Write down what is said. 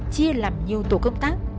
chia làm nhiều tổ công tác